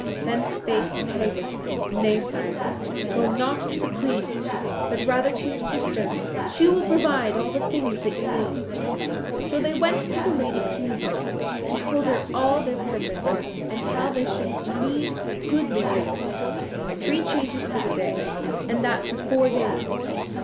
Then spake Hagen, "Nay, sire, go not to the Queen, but rather to your sister. She will provide all things that you need." So they went to the Lady Kriemhild and told her all their purpose, and how they should need goodly raiment, three changes for the day, and that for four days.